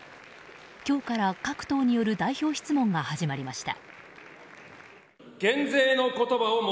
今日から、各党による代表質問が始まりました。